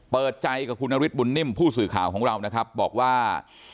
เปิดใจกับคุณนฤทธบุญนิ่มผู้สื่อข่าวของเรานะครับบอกว่า